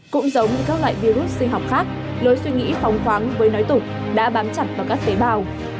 cũng giống như các loại virus sinh học khác lối suy nghĩ phóng khoáng với nói tục đã bám chặt vào các tế bào